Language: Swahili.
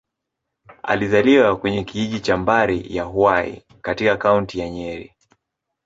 Alizaliwa kwenye kijiji cha Mbari-ya-Hwai, katika Kaunti ya Nyeri.